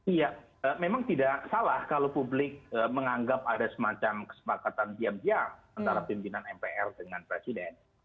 iya memang tidak salah kalau publik menganggap ada semacam kesepakatan diam diam antara pimpinan mpr dengan presiden